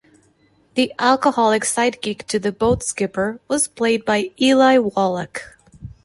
The alcoholic sidekick to the boat skipper was played by Eli Wallach.